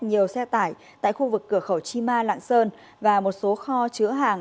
nhiều xe tải tại khu vực cửa khẩu chima lạng sơn và một số kho chứa hàng